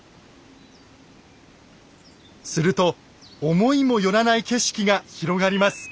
すると思いも寄らない景色が広がります。